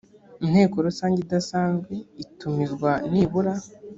inteko rusange idasanzwe itumizwa nibura